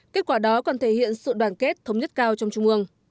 kết quả đó còn thể hiện sự đoàn kết thống nhất cao trong trung ương